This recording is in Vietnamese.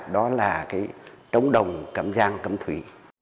đó là trống đồng cẩm giang cẩm thủy